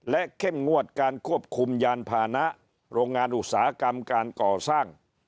และเข้มงวดการควบคุมยานพานะโรงงานอุตสาหกรรมการก่อสร้าง